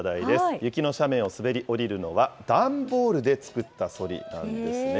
雪の斜面を滑り降りるのは段ボールで作ったそりなんですね。